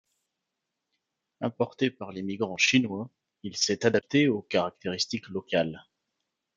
Importé par les migrants chinois, il s'est adapté aux caractéristiques locales.